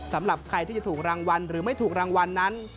สำหรับใครที่จะถูกรางวัลหรือไม่ถูกรางวัลนั้น